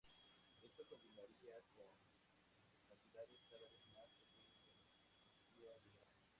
Esto continuaría, con cantidades cada vez más pequeñas de energía liberada.